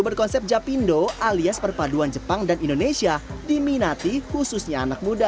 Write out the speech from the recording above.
berkonsep japindo alias perpaduan jepang dan indonesia diminati khususnya jepang dan indonesia